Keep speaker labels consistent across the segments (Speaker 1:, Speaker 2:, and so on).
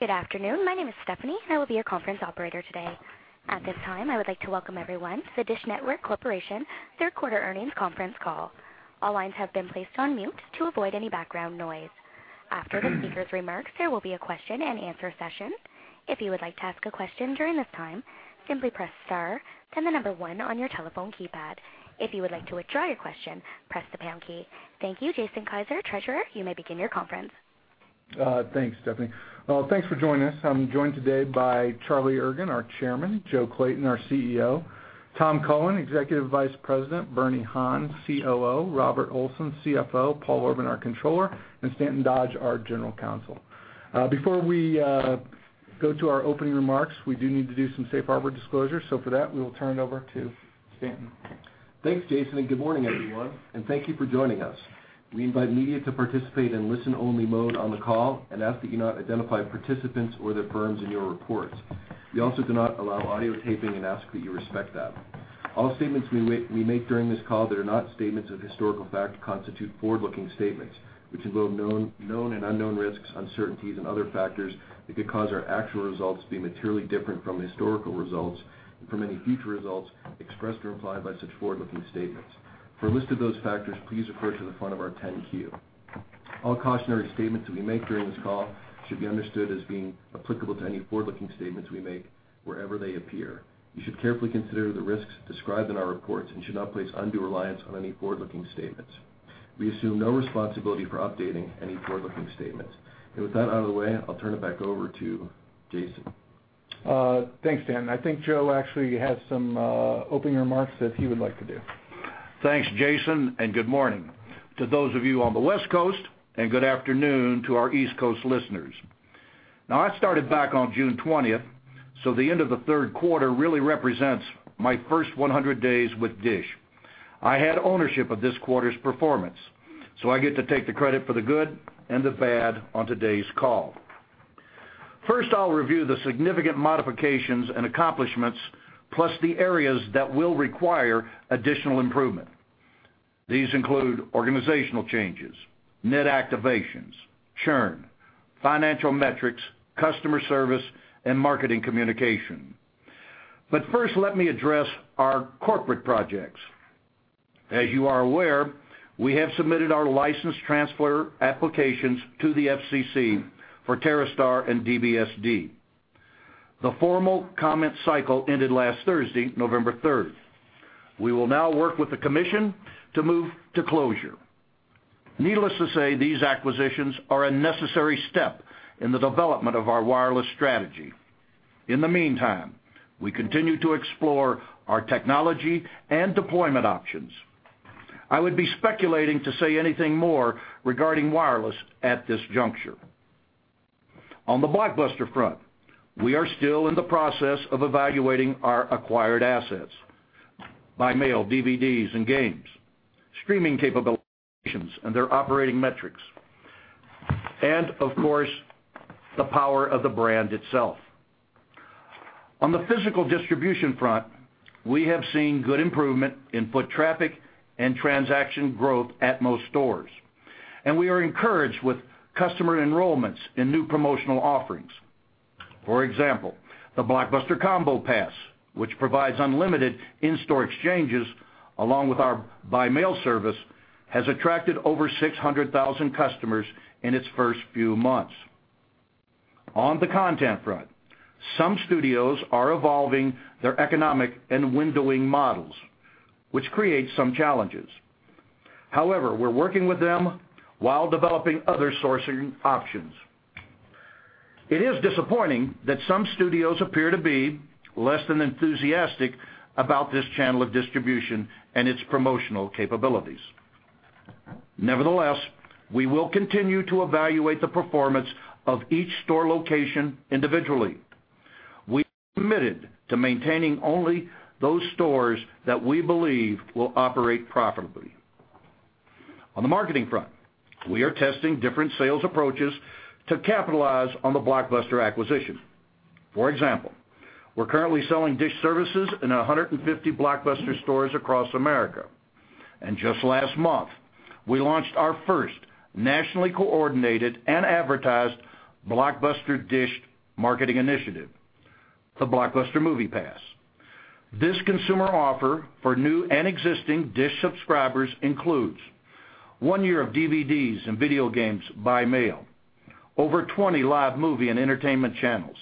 Speaker 1: Good afternoon. My name is Stephanie, and I will be your conference operator today. At this time, I would like to welcome everyone to the DISH Network Corporation third quarter earnings conference call. Thank you, Jason Kiser, Treasurer, you may begin your conference.
Speaker 2: Thanks, Stephanie. Well, thanks for joining us. I'm joined today by Charlie Ergen, our Chairman; Joe Clayton, our CEO; Tom Cullen, Executive Vice President; Bernie Han, COO; Robert Olson, CFO; Paul Orban, our Controller; and Stanton Dodge, our General Counsel. Before we go to our opening remarks, we do need to do some safe harbor disclosure, so for that, we will turn it over to Stanton.
Speaker 3: Thanks, Jason, and good morning, everyone, and thank you for joining us. We invite media to participate in listen-only mode on the call and ask that you not identify participants or their firms in your reports. We also do not allow audio taping and ask that you respect that. All statements we make during this call that are not statements of historical fact constitute forward-looking statements, which involve known and unknown risks, uncertainties, and other factors that could cause our actual results to be materially different from the historical results and from any future results expressed or implied by such forward-looking statements. For a list of those factors, please refer to the front of our Form 10-Q. All cautionary statements that we make during this call should be understood as being applicable to any forward-looking statements we make wherever they appear. You should carefully consider the risks described in our reports and should not place undue reliance on any forward-looking statements. We assume no responsibility for updating any forward-looking statements. With that out of the way, I'll turn it back over to Jason.
Speaker 2: Thanks, Stanton. I think Joe actually has some opening remarks that he would like to do.
Speaker 4: Thanks, Jason. Good morning to those of you on the West Coast, and good afternoon to our East Coast listeners. I started back on June 20th, so the end of the third quarter really represents my first 100 days with DISH Network. I had ownership of this quarter's performance, so I get to take the credit for the good and the bad on today's call. First, I'll review the significant modifications and accomplishments, plus the areas that will require additional improvement. These include organizational changes, net activations, churn, financial metrics, customer service, and marketing communication. First, let me address our corporate projects. As you are aware, we have submitted our license transfer applications to the FCC for TerreStar and DBSD. The formal comment cycle ended last Thursday, November 3rd. We will now work with the commission to move to closure. Needless to say, these acquisitions are a necessary step in the development of our wireless strategy. In the meantime, we continue to explore our technology and deployment options. I would be speculating to say anything more regarding wireless at this juncture. On the Blockbuster front, we are still in the process of evaluating our acquired assets: by mail DVDs and games, streaming capabilities and their operating metrics. Of course, the power of the brand itself. On the physical distribution front, we have seen good improvement in foot traffic and transaction growth at most stores, and we are encouraged with customer enrollments in new promotional offerings. For example, the Blockbuster Movie Pass, which provides unlimited in-store exchanges along with our by mail service, has attracted over 600,000 customers in its first few months. On the content front, some studios are evolving their economic and windowing models, which creates some challenges. We're working with them while developing other sourcing options. It is disappointing that some studios appear to be less than enthusiastic about this channel of distribution and its promotional capabilities. We will continue to evaluate the performance of each store location individually. We are committed to maintaining only those stores that we believe will operate profitably. On the marketing front, we are testing different sales approaches to capitalize on the Blockbuster acquisition. We're currently selling DISH services in 150 Blockbuster stores across America. Just last month, we launched our first nationally coordinated and advertised Blockbuster DISH marketing initiative, the Blockbuster Movie Pass. This consumer offer for new and existing DISH subscribers includes one year of DVDs and video games by mail, over 20 live movie and entertainment channels,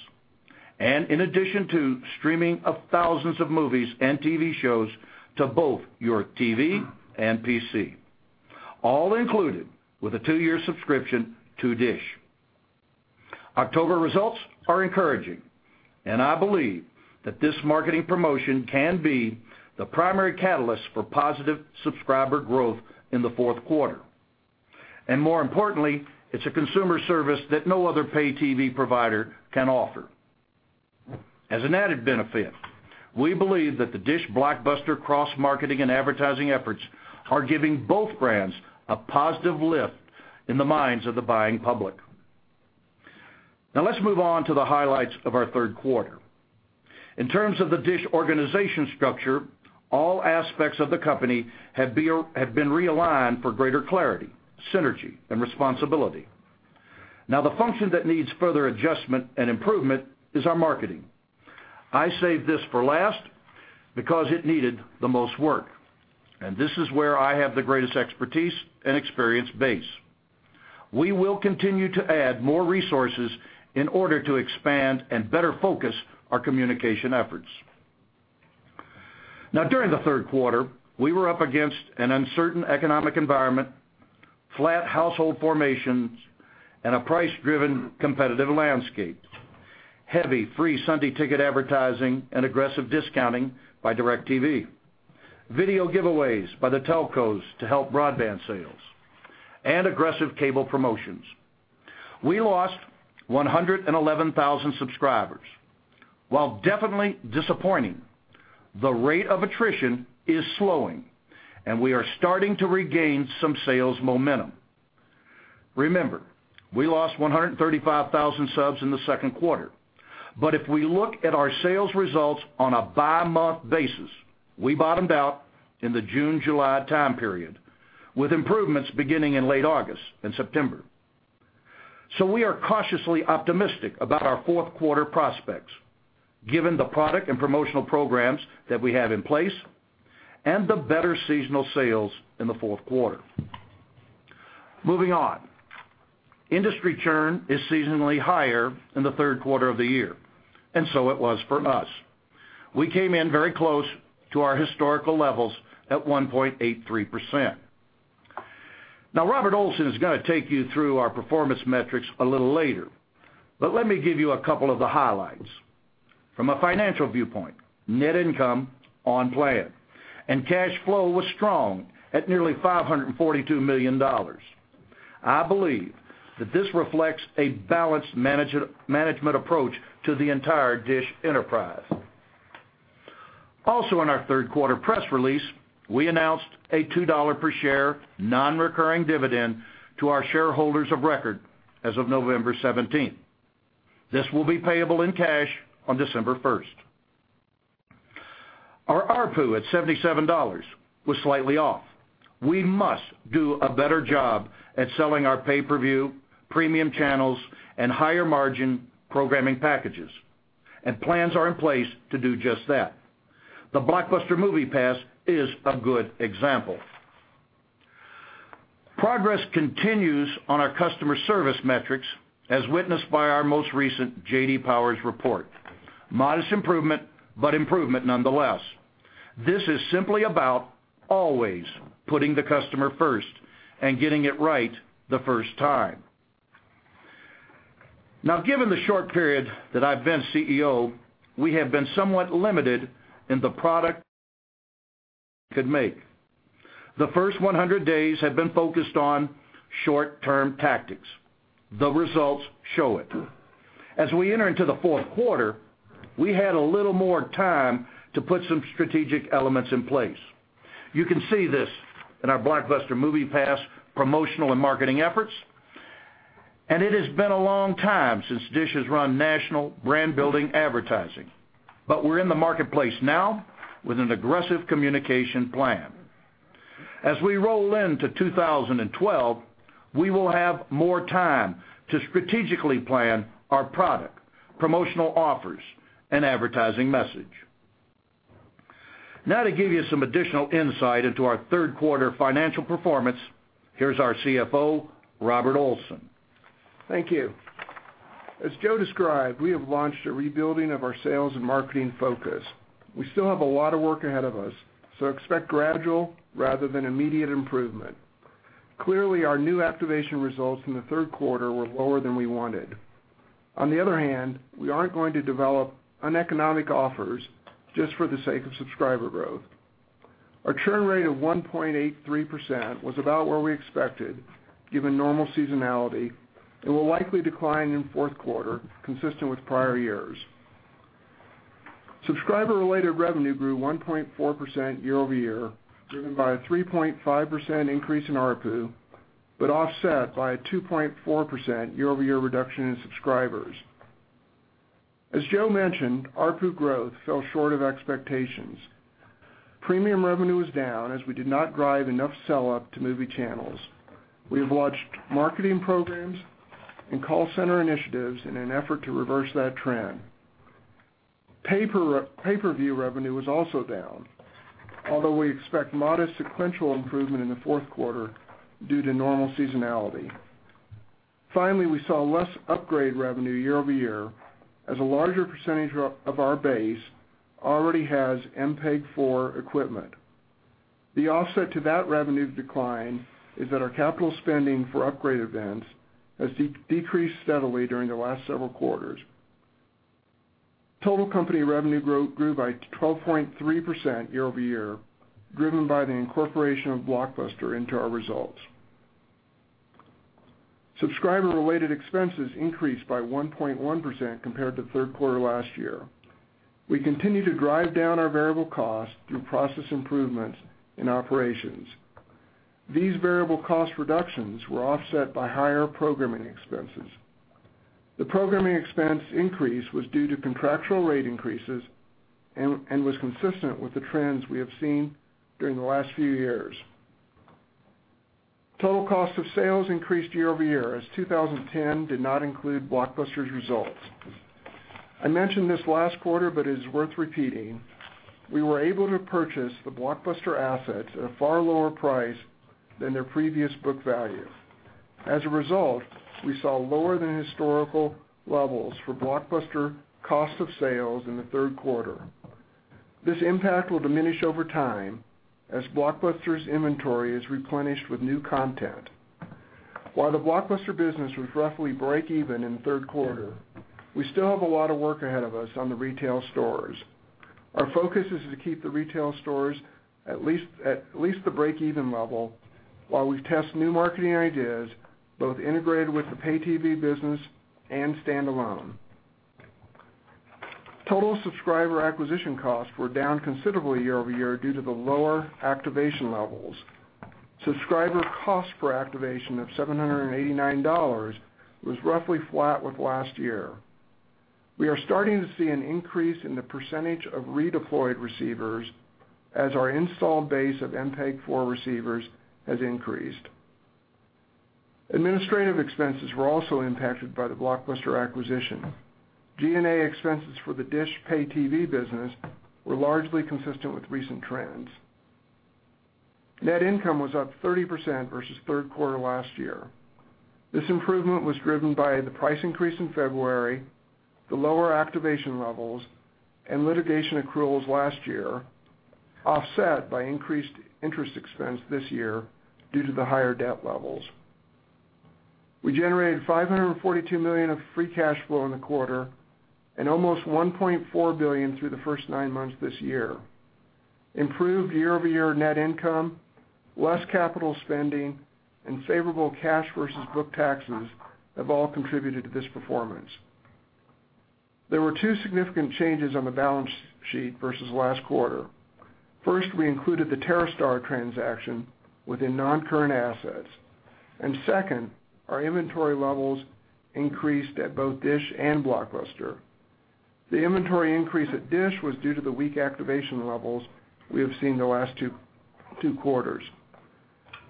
Speaker 4: in addition to streaming of thousands of movies and TV shows to both your TV and PC, all included with a two-year subscription to DISH. October results are encouraging, I believe that this marketing promotion can be the primary catalyst for positive subscriber growth in the fourth quarter. More importantly, it's a consumer service that no other pay TV provider can offer. As an added benefit, we believe that the DISH-Blockbuster cross-marketing and advertising efforts are giving both brands a positive lift in the minds of the buying public. Let's move on to the highlights of our third quarter. In terms of the DISH organization structure, all aspects of the company have been realigned for greater clarity, synergy, and responsibility. The function that needs further adjustment and improvement is our marketing. I saved this for last because it needed the most work, and this is where I have the greatest expertise and experience base. We will continue to add more resources in order to expand and better focus our communication efforts. During the third quarter, we were up against an uncertain economic environment, flat household formations, and a price-driven competitive landscape, heavy free NFL Sunday Ticket advertising and aggressive discounting by DIRECTV, video giveaways by the telcos to help broadband sales, and aggressive cable promotions. We lost 111,000 subscribers. While definitely disappointing, the rate of attrition is slowing, and we are starting to regain some sales momentum. Remember, we lost 135,000 subs in the second quarter. If we look at our sales results on a by-month basis, we bottomed out in the June-July time period, with improvements beginning in late August and September. We are cautiously optimistic about our fourth quarter prospects, given the product and promotional programs that we have in place and the better seasonal sales in the fourth quarter. Moving on. Industry churn is seasonally higher in the third quarter of the year, and so it was for us. We came in very close to our historical levels at 1.83%. Now, Robert Olson is going to take you through our performance metrics a little later, but let me give you a couple of the highlights. From a financial viewpoint, net income on plan and cash flow was strong at nearly $542 million. I believe that this reflects a balanced management approach to the entire DISH enterprise. Also, in our third quarter press release, we announced a $2 per share non-recurring dividend to our shareholders of record as of November 17th. This will be payable in cash on December 1st. Our ARPU at $77 was slightly off. We must do a better job at selling our pay-per-view, premium channels, and higher margin programming packages, and plans are in place to do just that. The Blockbuster Movie Pass is a good example. Progress continues on our customer service metrics, as witnessed by our most recent J.D. Power report. Modest improvement, but improvement nonetheless. This is simply about always putting the customer first and getting it right the first time. Given the short period that I've been CEO, we have been somewhat limited in the product we could make. The first 100 days have been focused on short-term tactics. The results show it. We enter into the fourth quarter, we had a little more time to put some strategic elements in place. You can see this in our Blockbuster Movie Pass promotional and marketing efforts. It has been a long time since DISH has run national brand-building advertising. We're in the marketplace now with an aggressive communication plan. We roll into 2012, we will have more time to strategically plan our product, promotional offers, and advertising message. To give you some additional insight into our third quarter financial performance, here's our CFO, Robert Olson.
Speaker 5: Thank you. As Joe described, we have launched a rebuilding of our sales and marketing focus. We still have a lot of work ahead of us, so expect gradual rather than immediate improvement. Clearly, our new activation results in the third quarter were lower than we wanted. On the other hand, we aren't going to develop uneconomic offers just for the sake of subscriber growth. Our churn rate of 1.83% was about what we expected given normal seasonality. It will likely decline in fourth quarter, consistent with prior years. Subscriber-related revenue grew 1.4% year-over-year, driven by a 3.5% increase in ARPU, but offset by a 2.4% year-over-year reduction in subscribers. As Joe mentioned, ARPU growth fell short of expectations. Premium revenue was down as we did not drive enough sell-up to movie channels. We have launched marketing programs and call center initiatives in an effort to reverse that trend. Pay-per-view revenue was also down, although we expect modest sequential improvement in the fourth quarter due to normal seasonality. Finally, we saw less upgrade revenue year-over-year as a larger percentage of our base already has MPEG-4 equipment. The offset to that revenue decline is that our capital spending for upgrade events has decreased steadily during the last several quarters. Total company revenue grew by 12.3% year-over-year, driven by the incorporation of Blockbuster into our results. Subscriber-related expenses increased by 1.1% compared to third quarter last year. We continue to drive down our variable costs through process improvements in operations. These variable cost reductions were offset by higher programming expenses. The programming expense increase was due to contractual rate increases and was consistent with the trends we have seen during the last few years. Total cost of sales increased year-over-year, as 2010 did not include Blockbuster's results. I mentioned this last quarter. It is worth repeating. We were able to purchase the Blockbuster assets at a far lower price than their previous book value. As a result, we saw lower than historical levels for Blockbuster cost of sales in the third quarter. This impact will diminish over time as Blockbuster's inventory is replenished with new content. While the Blockbuster business was roughly break even in the third quarter, we still have a lot of work ahead of us on the retail stores. Our focus is to keep the retail stores at least the break-even level while we test new marketing ideas, both integrated with the pay TV business and standalone. Total subscriber acquisition costs were down considerably year-over-year due to the lower activation levels. Subscriber cost for activation of $789 was roughly flat with last year. We are starting to see an increase in the percentage of redeployed receivers as our install base of MPEG-4 receivers has increased. Administrative expenses were also impacted by the Blockbuster acquisition. G&A expenses for the DISH pay TV business were largely consistent with recent trends. Net income was up 30% versus third quarter last year. This improvement was driven by the price increase in February, the lower activation levels, and litigation accruals last year, offset by increased interest expense this year due to the higher debt levels. We generated $542 million of free cash flow in the quarter and almost $1.4 billion through the first nine months this year. Improved year-over-year net income, less capital spending, and favorable cash versus book taxes have all contributed to this performance. There were two significant changes on the balance sheet versus last quarter. First, we included the TerreStar transaction within non-current assets. Second, our inventory levels increased at both DISH and Blockbuster. The inventory increase at DISH was due to the weak activation levels we have seen the last two quarters.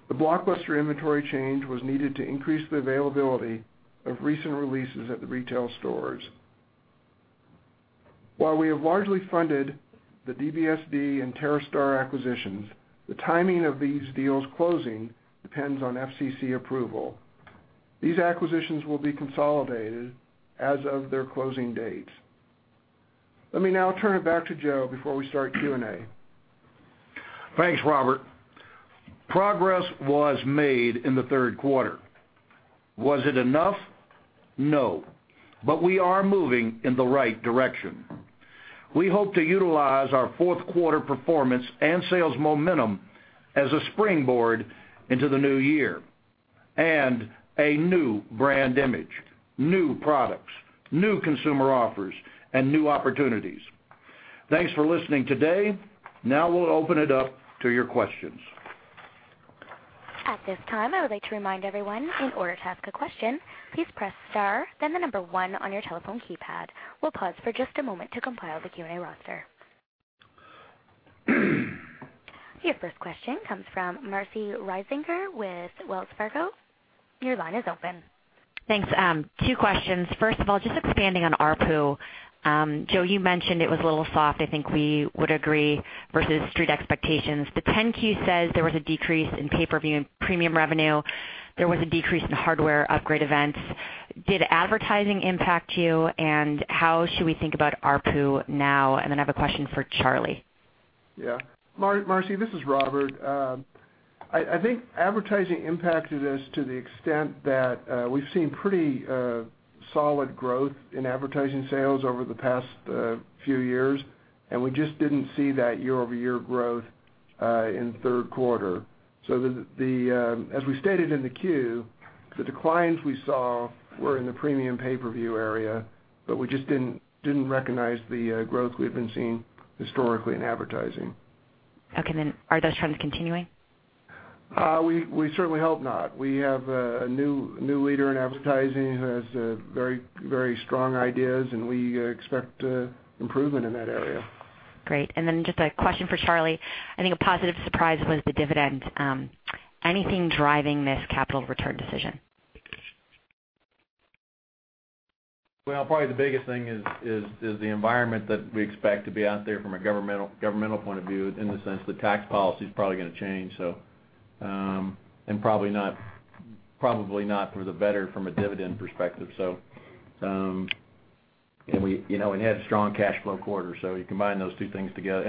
Speaker 5: The Blockbuster inventory change was needed to increase the availability of recent releases at the retail stores. While we have largely funded the DBSD and TerreStar acquisitions, the timing of these deals closing depends on FCC approval. These acquisitions will be consolidated as of their closing dates. Let me now turn it back to Joe before we start Q&A.
Speaker 4: Thanks, Robert. Progress was made in the third quarter. Was it enough? No, but we are moving in the right direction. We hope to utilize our fourth quarter performance and sales momentum as a springboard into the new year and a new brand image, new products, new consumer offers, and new opportunities. Thanks for listening today. Now we'll open it up to your questions.
Speaker 1: At this time, I would like to remind everyone, in order to ask a question, please press star, then the number one on your telephone keypad. We'll pause for just a moment to compile the Q&A roster. Your first question comes from Marci Ryvicker with Wells Fargo. Your line is open.
Speaker 6: Thanks. Two questions. First of all, just expanding on ARPU. Joe, you mentioned it was a little soft, I think we would agree, versus Street expectations. The 10-Q says there was a decrease in pay-per-view and premium revenue. There was a decrease in hardware upgrade events. Did advertising impact you, and how should we think about ARPU now? Then I have a question for Charlie.
Speaker 5: Yeah. Marci, this is Robert. I think advertising impacted us to the extent that, we've seen pretty solid growth in advertising sales over the past few years. We just didn't see that year-over-year growth in the third quarter. The, as we stated in the Q, the declines we saw were in the premium pay-per-view area. We just didn't recognize the growth we had been seeing historically in advertising.
Speaker 6: Okay, are those trends continuing?
Speaker 5: We certainly hope not. We have a new leader in advertising who has very strong ideas, and we expect improvement in that area.
Speaker 6: Great. Then just a question for Charlie. I think a positive surprise was the dividend. Anything driving this capital return decision?
Speaker 7: Well, probably the biggest thing is the environment that we expect to be out there from a governmental point of view in the sense that tax policy is probably going to change, and probably not, probably not for the better from a dividend perspective. We, you know, we had a strong cash flow quarter, so you combine those two things together.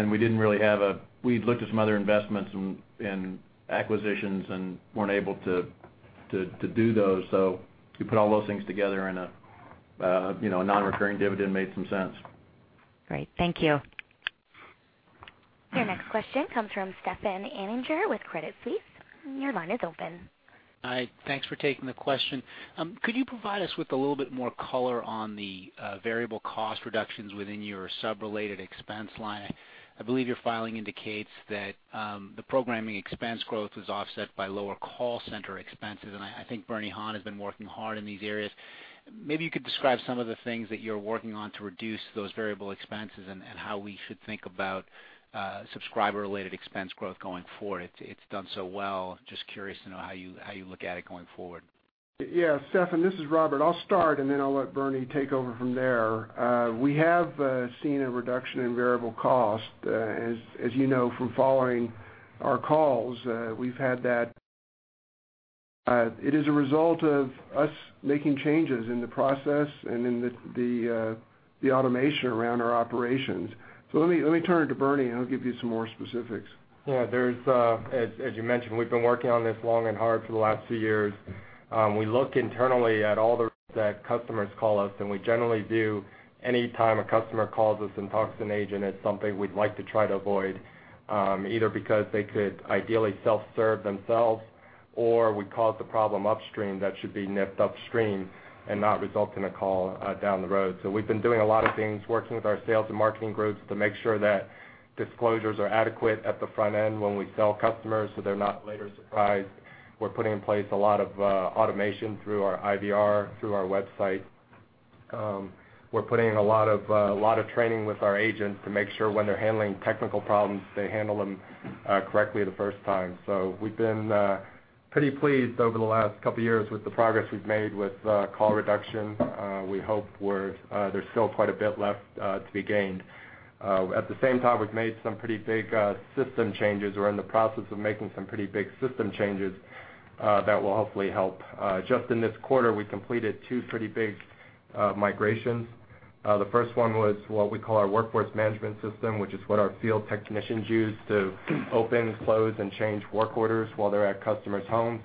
Speaker 7: We'd looked at some other investments and acquisitions and weren't able to do those. You put all those things together and, you know, a non-recurring dividend made some sense.
Speaker 6: Great. Thank you.
Speaker 1: Your next question comes from Stefan Anninger with Credit Suisse. Your line is open.
Speaker 8: Hi, thanks for taking the question. Could you provide us with a little bit more color on the variable cost reductions within your sub-related expense line? I believe your filing indicates that the programming expense growth was offset by lower call center expenses, and I think Bernie Han has been working hard in these areas. Maybe you could describe some of the things that you're working on to reduce those variable expenses and how we should think about subscriber-related expense growth going forward. It's done so well. Just curious to know how you look at it going forward.
Speaker 5: Yeah, Stefan, this is Robert. I'll start, then I'll let Bernie take over from there. We have seen a reduction in variable cost. As you know from following our calls, we've had that. It is a result of us making changes in the process and in the automation around our operations. Let me turn it to Bernie, and he'll give you some more specifics.
Speaker 9: Yeah, there's, as you mentioned, we've been working on this long and hard for the last few years. We look internally at all the that customers call us, and we generally view any time a customer calls us and talks to an agent as something we'd like to try to avoid, either because they could ideally self-serve themselves, or we caused the problem upstream that should be nipped upstream and not result in a call down the road. We've been doing a lot of things, working with our sales and marketing groups to make sure that disclosures are adequate at the front end when we sell customers, so they're not later surprised. We're putting in place a lot of automation through our IVR, through our website. We're putting a lot of, a lot of training with our agents to make sure when they're handling technical problems, they handle them correctly the first time. We've been pretty pleased over the last couple years with the progress we've made with call reduction. We hope we're, there's still quite a bit left to be gained. At the same time, we've made some pretty big system changes. We're in the process of making some pretty big system changes that will hopefully help. Just in this quarter, we completed two pretty big migrations. The first one was what we call our workforce management system, which is what our field technicians use to open, close, and change work orders while they're at customers' homes.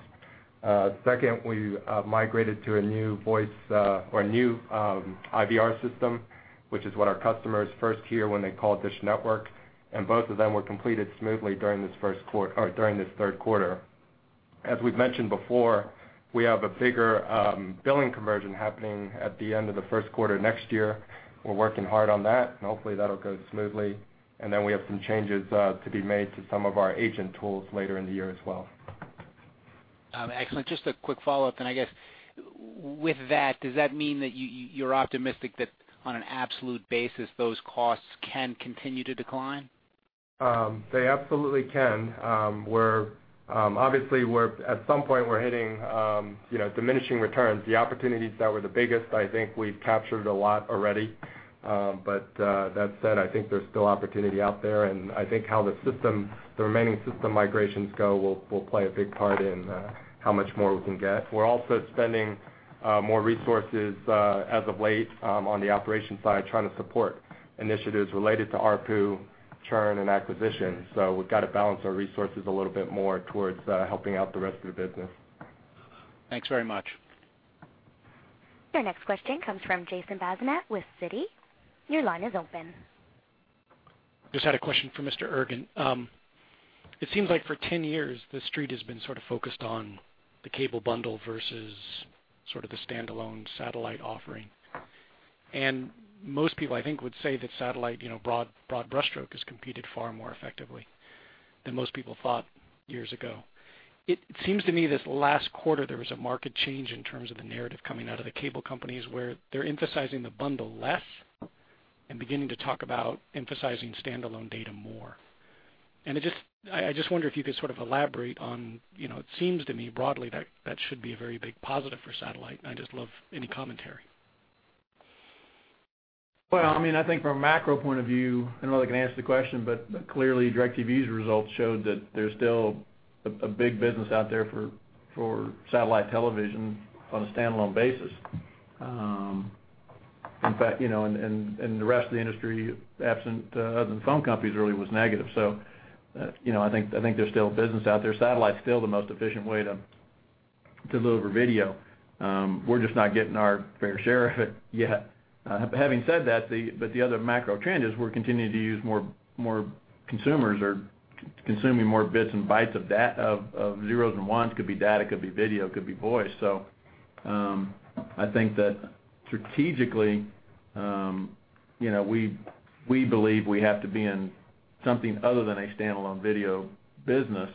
Speaker 9: Second, we migrated to a new voice or new IVR system, which is what our customers first hear when they call DISH Network. Both of them were completed smoothly during this third quarter. As we've mentioned before, we have a bigger billing conversion happening at the end of the 1st quarter next year. We're working hard on that, hopefully that'll go smoothly. Then we have some changes to be made to some of our agent tools later in the year as well.
Speaker 8: Excellent. Just a quick follow-up then, I guess. With that, does that mean that you're optimistic that on an absolute basis, those costs can continue to decline?
Speaker 9: They absolutely can. We're obviously at some point, we're hitting, you know, diminishing returns. The opportunities that were the biggest, I think we've captured a lot already. That said, I think there's still opportunity out there, and I think how the system, the remaining system migrations go will play a big part in how much more we can get. We're also spending more resources as of late on the operations side trying to support initiatives related to ARPU, churn, and acquisition. We've got to balance our resources a little bit more towards helping out the rest of the business.
Speaker 8: Thanks very much.
Speaker 1: Your next question comes from Jason Bazinet with Citi. Your line is open.
Speaker 10: Just had a question for Mr. Ergen. It seems like for 10 years, the Street has been sort of focused on the cable bundle versus sort of the standalone satellite offering. And most people, I think, would say that satellite, you know, broad brushstroke has competed far more effectively than most people thought years ago. It seems to me this last quarter, there was a market change in terms of the narrative coming out of the cable companies, where they're emphasizing the bundle less and beginning to talk about emphasizing standalone data more. And I just wonder if you could sort of elaborate on, you know, it seems to me broadly that that should be a very big positive for satellite, and I'd just love any commentary.
Speaker 7: I mean, I think from a macro point of view, I don't know if I can answer the question, but clearly, DIRECTV's results showed that there's still a big business out there for satellite television on a standalone basis. In fact, you know, and the rest of the industry, absent other than phone companies really was negative. You know, I think there's still a business out there. Satellite's still the most efficient way to deliver video. We're just not getting our fair share of it yet. Having said that, but the other macro trend is consumers are consuming more bits and bytes of zeros and ones. Could be data, could be video, could be voice. I think that strategically, you know, we believe we have to be in something other than a standalone video business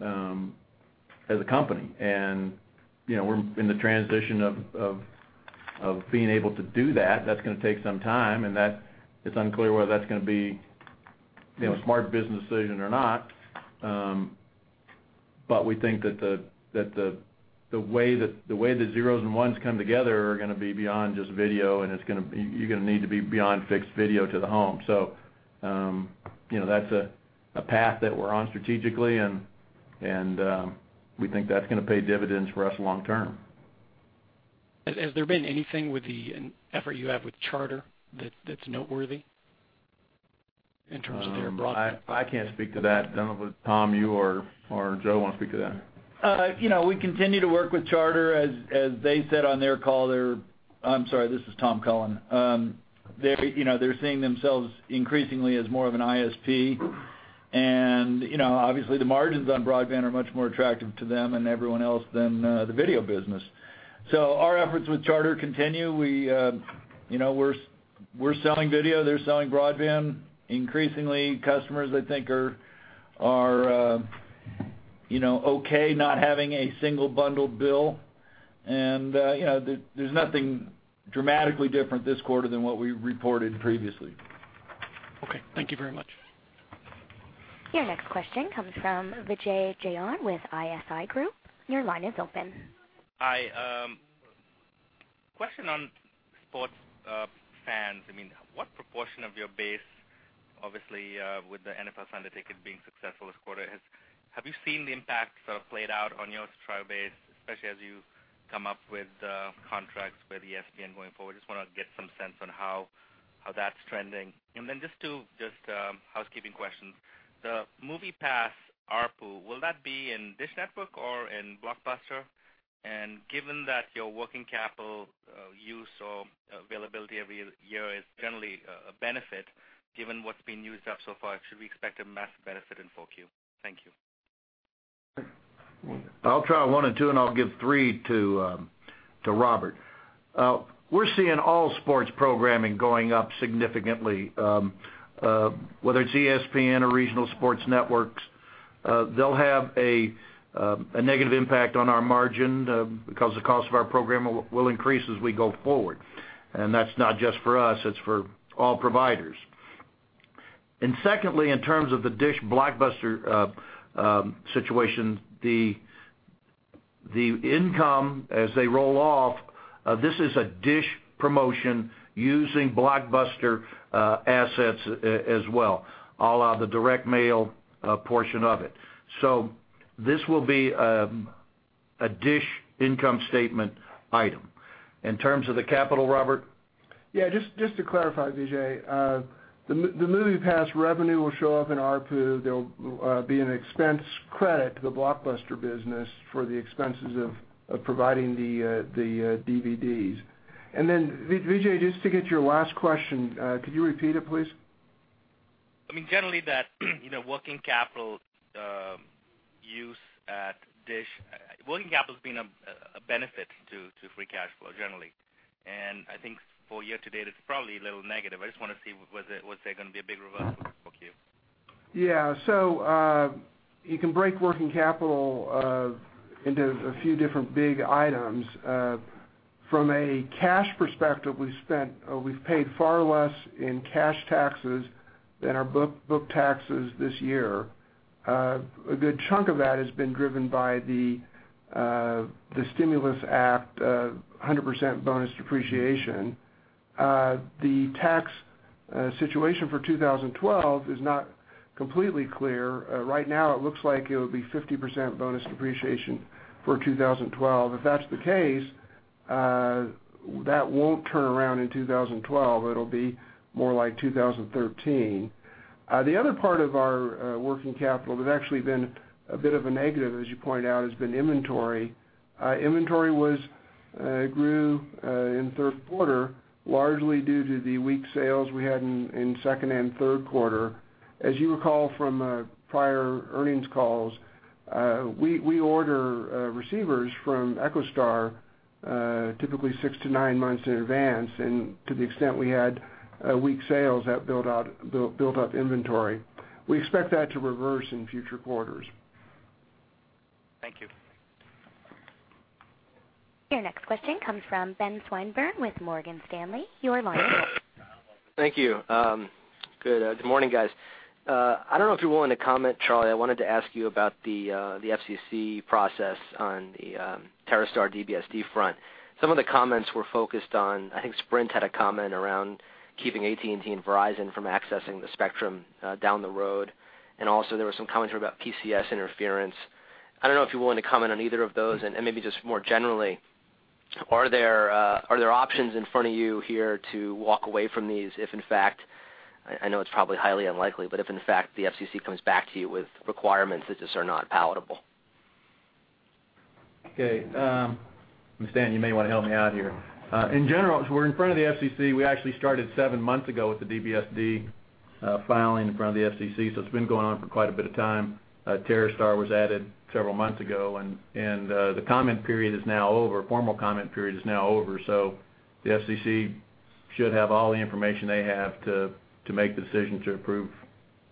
Speaker 7: as a company. You know, we're in the transition of being able to do that. That's going to take some time, and it's unclear whether that's going to be, you know, a smart business decision or not. We think that the way the zeros and ones come together are going to be beyond just video, and you're going to need to be beyond fixed video to the home. You know, that's a path that we're on strategically and we think that's going to pay dividends for us long term.
Speaker 10: Has there been anything with the effort you have with Charter that's noteworthy in terms of their broadband?
Speaker 7: I can't speak to that. I don't know if, Tom, you or Joe want to speak to that.
Speaker 11: You know, we continue to work with Charter. As they said on their call, I'm sorry, this is Tom Cullen. They, you know, they're seeing themselves increasingly as more of an ISP. You know, obviously, the margins on broadband are much more attractive to them and everyone else than the video business. Our efforts with Charter continue. We, you know, we're selling video, they're selling broadband. Increasingly, customers I think are, you know, okay not having a single bundled bill. You know, there's nothing dramatically different this quarter than what we reported previously.
Speaker 10: Okay. Thank you very much.
Speaker 1: Your next question comes from Vijay Jayant with ISI Group. Your line is open.
Speaker 12: Hi. Question on sports fans. I mean, what proportion of your base, obviously, with the NFL Sunday Ticket being successful this quarter, have you seen the impacts sort of played out on your subscriber base, especially as you come up with contracts with ESPN going forward? Just want to get some sense on how that's trending. Then just two, just housekeeping questions. The Movie Pass ARPU, will that be in DISH Network or in Blockbuster? Given that your working capital use or availability every year is generally a benefit, given what's been used up so far, should we expect a massive benefit in 4Q? Thank you.
Speaker 4: I'll try one and two, and I'll give three to Robert. We're seeing all sports programming going up significantly, whether it's ESPN or regional sports networks. They'll have a negative impact on our margin because the cost of our program will increase as we go forward. That's not just for us, it's for all providers. Secondly, in terms of the DISH Blockbuster situation, the income as they roll off, this is a DISH promotion using Blockbuster assets as well, all out the direct mail portion of it. This will be a DISH income statement item. In terms of the capital, Robert?
Speaker 5: Yeah, just to clarify, Vijay, the Movie Pass revenue will show up in ARPU. There'll be an expense credit to the Blockbuster business for the expenses of providing the DVDs. Vijay, just to get your last question, could you repeat it, please?
Speaker 12: I mean, generally that, you know, working capital use at DISH, working capital's been a benefit to free cash flow generally. I think for year-to-date, it's probably a little negative. I just want to see was there going to be a big reversal in 4Q?
Speaker 5: You can break working capital into a few different big items. From a cash perspective, we've paid far less in cash taxes than our book taxes this year. A good chunk of that has been driven by the Stimulus Act, 100% bonus depreciation. The tax situation for 2012 is not completely clear. Right now it looks like it'll be 50% bonus depreciation for 2012. If that's the case, that won't turn around in 2012, it'll be more like 2013. The other part of our working capital that's actually been a bit of a negative, as you point out, has been inventory. Inventory was grew in third quarter, largely due to the weak sales we had in second and third quarter. As you recall from prior earnings calls, we order receivers from EchoStar, typically six to nine months in advance. To the extent we had weak sales, that built up inventory. We expect that to reverse in future quarters.
Speaker 12: Thank you.
Speaker 1: Your next question comes from Ben Swinburne with Morgan Stanley. Your line is open.
Speaker 13: Thank you. Good morning, guys. I don't know if you're willing to comment, Charlie, I wanted to ask you about the FCC process on the TerreStar DBSD front. Some of the comments were focused on, I think Sprint had a comment around keeping AT&T and Verizon from accessing the spectrum down the road. There were some comments about PCS interference. I don't know if you're willing to comment on either of those. Maybe just more generally, are there options in front of you here to walk away from these if in fact, I know it's probably highly unlikely, but if in fact the FCC comes back to you with requirements that just are not palatable?
Speaker 7: Okay. Stan, you may want to help me out here. In general, we're in front of the FCC, we actually started seven months ago with the DBSD filing in front of the FCC, it's been going on for quite a bit of time. TerreStar was added several months ago, and the comment period is now over. Formal comment period is now over. The FCC should have all the information they have to make the decision to approve,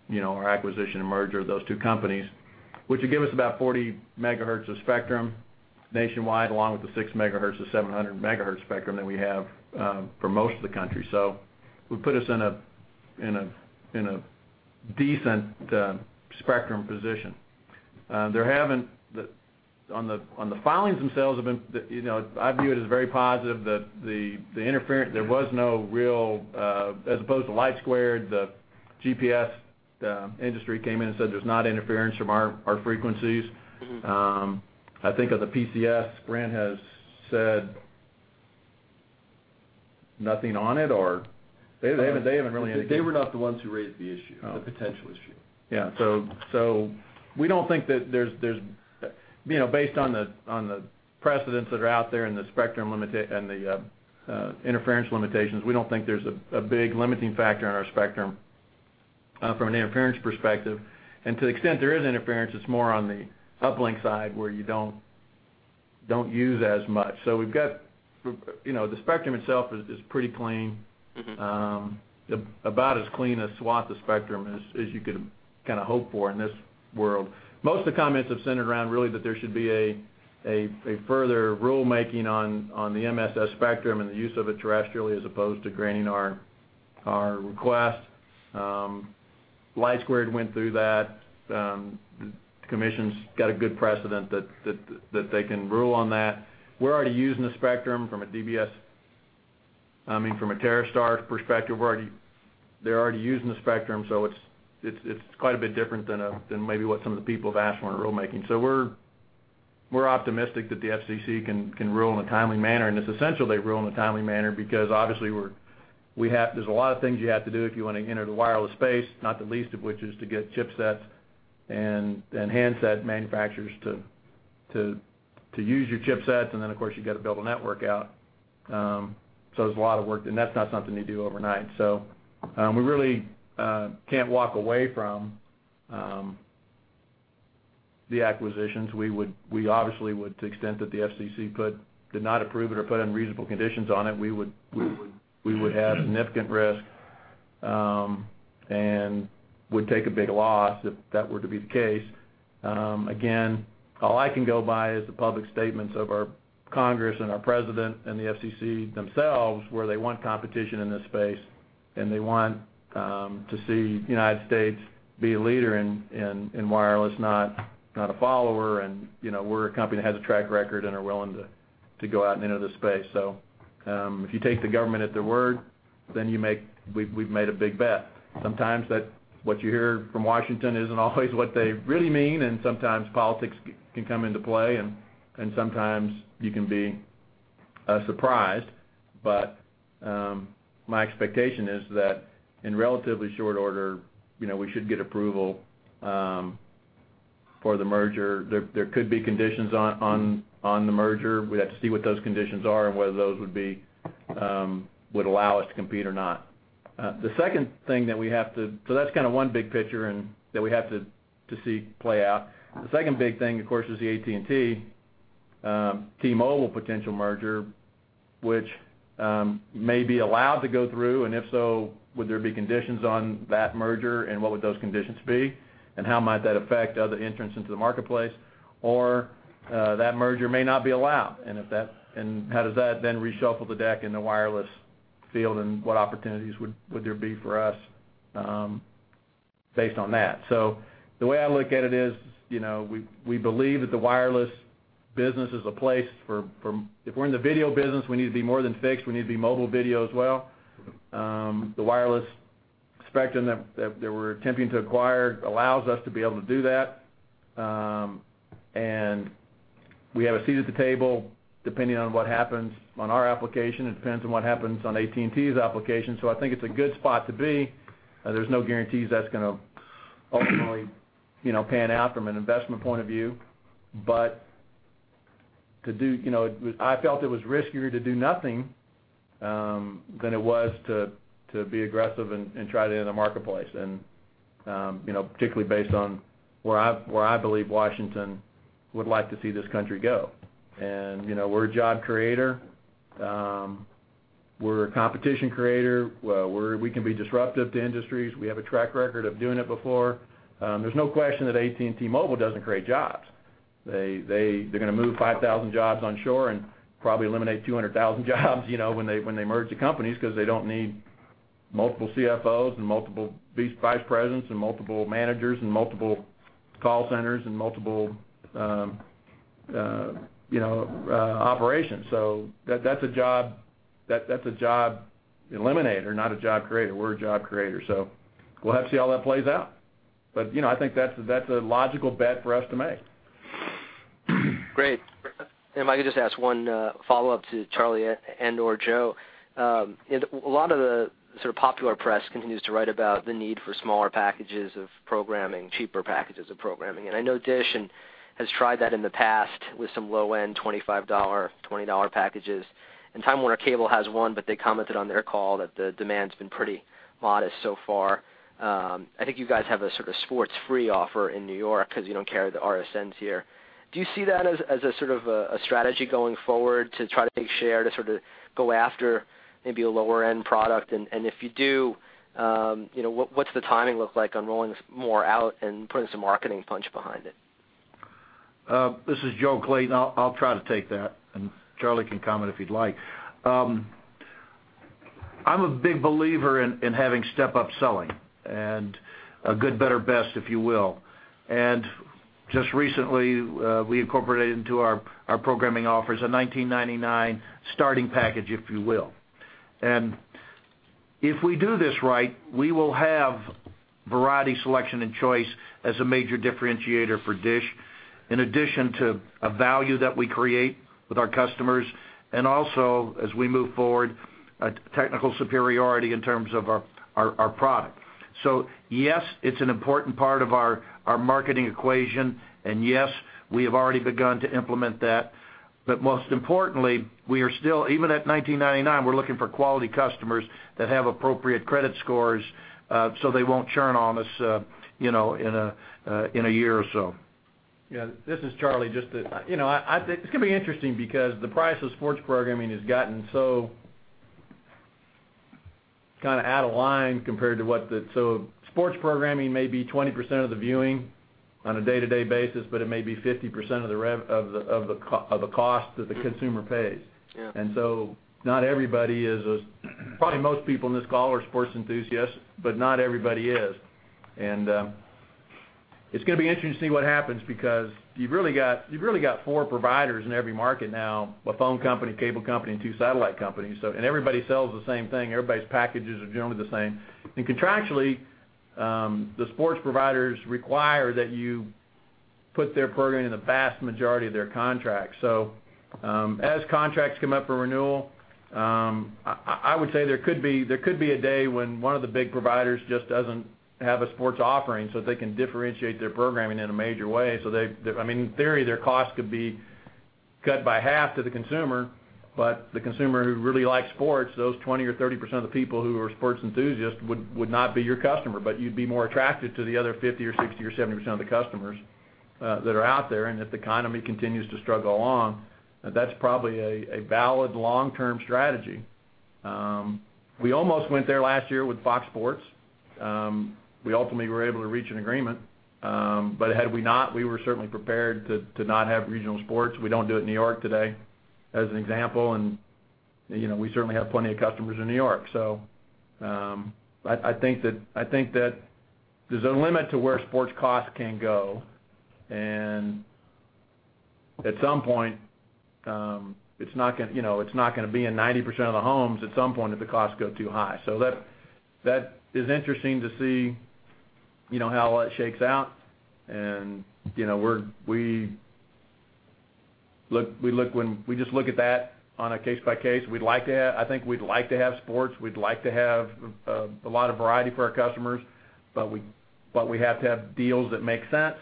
Speaker 7: you know, our acquisition and merger of those two companies, which will give us about 40 MHz of spectrum nationwide, along with the 6 MHz to 700 MHz spectrum that we have for most of the country. Would put us in a decent spectrum position. They're having on the filings themselves have been, you know, I view it as very positive. The interference, there was no real as opposed to LightSquared, the GPS industry came in and said there's not interference from our frequencies. I think on the PCS, Sprint has said nothing on it or they haven't.
Speaker 3: They were not the ones who raised the issue, the potential issue.
Speaker 7: Yeah. We don't think that there's, you know, based on the precedents that are out there and the spectrum and the interference limitations, we don't think there's a big limiting factor in our spectrum from an interference perspective. To the extent there is interference, it's more on the uplink side where you don't use as much. We've got, you know, the spectrum itself is pretty clean. About as clean a swath of spectrum as you could kinda hope for in this world. Most of the comments have centered around really that there should be a further rulemaking on the MSS spectrum and the use of it terrestrially as opposed to granting our request. LightSquared went through that. The Commission's got a good precedent that they can rule on that. We're already using the spectrum from a TerreStar perspective, I mean, they're already using the spectrum, so it's quite a bit different than maybe what some of the people have asked for in a rulemaking. We're optimistic that the FCC can rule in a timely manner, and it's essential they rule in a timely manner because obviously there's a lot of things you have to do if you want to enter the wireless space, not the least of which is to get chipsets and handset manufacturers to use your chipsets. Then of course you've got to build a network out. There's a lot of work, and that's not something you do overnight. We really can't walk away from the acquisitions. We obviously would, to the extent that the FCC did not approve it or put unreasonable conditions on it, we would have significant risk and would take a big loss if that were to be the case. Again, all I can go by is the public statements of our Congress and our president and the FCC themselves, where they want competition in this space and they want to see United States be a leader in wireless, not a follower. You know, we're a company that has a track record and are willing to go out and enter the space. If you take the government at their word, then we've made a big bet. Sometimes what you hear from Washington isn't always what they really mean, and sometimes politics can come into play and sometimes you can be surprised. My expectation is that in relatively short order, you know, we should get approval for the merger. There could be conditions on the merger. We'd have to see what those conditions are and whether those would allow us to compete or not. The second thing, so that's kind of one big picture, that we have to see play out. The second big thing, of course, is the AT&T and T-Mobile potential merger, which may be allowed to go through, and if so, would there be conditions on that merger, and what would those conditions be, and how might that affect other entrants into the marketplace? That merger may not be allowed, and how does that then reshuffle the deck in the wireless field, and what opportunities would there be for us based on that? The way I look at it is, you know, we believe that the wireless business is a place for if we're in the video business, we need to be more than fixed, we need to be mobile video as well. The wireless spectrum that we're attempting to acquire allows us to be able to do that. And we have a seat at the table. Depending on what happens on our application, it depends on what happens on AT&T's application. I think it's a good spot to be. There's no guarantees that's going to ultimately, you know, pan out from an investment point of view. You know, I felt it was riskier to do nothing than it was to be aggressive and try to enter the marketplace. You know, particularly based on where I, where I believe Washington would like to see this country go. You know, we're a job creator. We're a competition creator. Well, we can be disruptive to industries. We have a track record of doing it before. There's no question that AT&T Mobile doesn't create jobs. They're going to move 5,000 jobs on shore and probably eliminate 200,000 jobs, you know, when they, when they merge the companies 'cause they don't need multiple CFOs and multiple vice presidents and multiple managers and multiple call centers and multiple, you know, operations. That's a job eliminator, not a job creator. We're a job creator. We'll have to see how that plays out. You know, I think that's a logical bet for us to make.
Speaker 13: Great. If I could just ask one follow-up to Charlie and/or Joe. You know, a lot of the sort of popular press continues to write about the need for smaller packages of programming, cheaper packages of programming. I know DISH Network has tried that in the past with some low-end $25, $20 packages. Time Warner Cable has one, but they commented on their call that the demand's been pretty modest so far. I think you guys have a sort of sports-free offer in New York 'cause you don't carry the RSNs here. Do you see that as a sort of a strategy going forward to try to take share, to sort of go after maybe a lower end product? If you do, you know, what's the timing look like on rolling this more out and putting some marketing punch behind it?
Speaker 4: This is Joe Clayton. I'll try to take that, Charlie can comment if he'd like. I'm a big believer in having step-up selling a good better best, if you will. Just recently, we incorporated into our programming offers a $19.99 starting package, if you will. If we do this right, we will have variety, selection, and choice as a major differentiator for DISH, in addition to a value that we create with our customers and also, as we move forward, a technical superiority in terms of our product. Yes, it's an important part of our marketing equation. Yes, we have already begun to implement that. Most importantly, we are still, even at $19.99, we're looking for quality customers that have appropriate credit scores, so they won't churn on us, you know, in a year or so.
Speaker 7: Yeah. This is Charlie. Just to, you know, I think it's going to be interesting because the price of sports programming has gotten so kind of out of line compared to. Sports programming may be 20% of the viewing on a day-to-day basis, but it may be 50% of the cost that the consumer pays.
Speaker 4: Yeah.
Speaker 7: Not everybody is. Probably most people on this call are sports enthusiasts, but not everybody is. It's going to be interesting to see what happens because you've really got four providers in every market now, a phone company, a cable company, and two satellite companies. Everybody sells the same thing. Everybody's packages are generally the same. Contractually, the sports providers require that you put their program in the vast majority of their contracts. As contracts come up for renewal, I would say there could be a day when one of the big providers just doesn't have a sports offering so that they can differentiate their programming in a major way. I mean, in theory, their costs could be cut by half to the consumer, but the consumer who really likes sports, those 20% or 30% of the people who are sports enthusiasts would not be your customer. You'd be more attractive to the other 50% or 60% or 70% of the customers that are out there. If the economy continues to struggle on, that's probably a valid long-term strategy. We almost went there last year with Fox Sports. We ultimately were able to reach an agreement. Had we not, we were certainly prepared to not have regional sports. We don't do it in New York today, as an example. You know, we certainly have plenty of customers in New York. I think that there's a limit to where sports costs can go. At some point, it's not going to, you know, it's not going to be in 90% of the homes at some point if the costs go too high. That is interesting to see, you know, how all that shakes out. You know, we just look at that on a case by case. I think we'd like to have sports. We'd like to have a lot of variety for our customers, but we have to have deals that make sense.